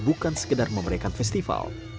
bukan sekedar memerikan festival